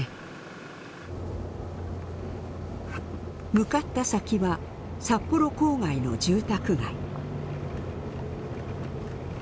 向かった先は札幌郊外の住宅街。